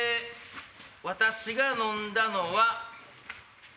私が飲んだのは。